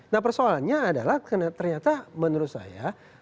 nah persoalannya adalah ternyata menurut saya